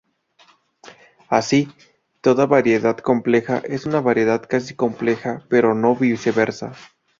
Así, toda variedad compleja es una variedad casi compleja, pero no viceversa.